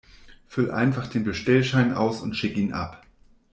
Füll einfach den Bestellschein aus und schick ihn ab.